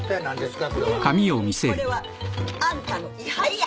これはあんたの位牌や。